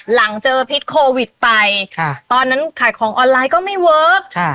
หลังเจอพิษโควิดไปค่ะตอนนั้นขายของออนไลน์ก็ไม่เวิร์ค